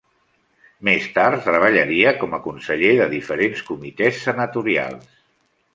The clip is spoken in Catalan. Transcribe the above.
Més tard treballaria com a conseller de diferents comitès senatorials.